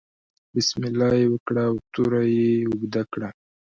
بسم الله یې وکړه او توره یې اوږده کړه.